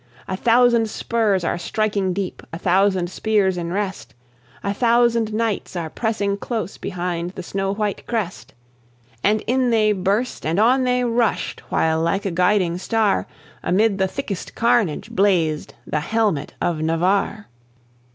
A thousand spurs are striking deep, a thousand spears in rest, A thousand knights are pressing close behind the snow white crest; And in they burst, and on they rushed, while like a guiding star, Amid the thickest carnage blazed the helmet of Navarre.